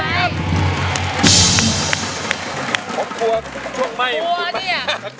มือมัี้กว้างหวังและก่อน